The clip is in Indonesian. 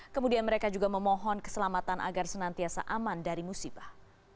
kemudian mereka juga memohon keselamatan agar senantiasa aman dari musibah